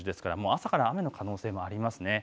朝から雨の可能性もあります。